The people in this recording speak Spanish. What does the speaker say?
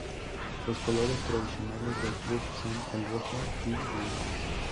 Los colores tradicionales del club son el rojo y blanco.